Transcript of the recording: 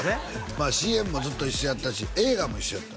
まあＣＭもずっと一緒やったし映画も一緒やった